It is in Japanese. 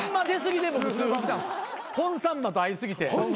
本さんまと会い過ぎて。